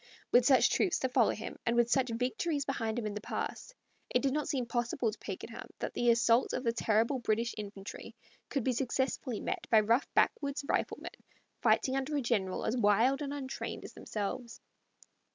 With such troops to follow him, and with such victories behind him in the past, it did not seem possible to Pakenham that the assault of the terrible British infantry could be successfully met by rough backwoods riflemen fighting under a general as wild and untrained as themselves.